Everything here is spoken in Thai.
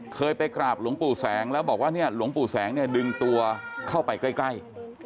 เคยไปกราบหลวงปู่แสงแล้วบอกว่าเนี่ยหลวงปู่แสงเนี่ยดึงตัวเข้าไปใกล้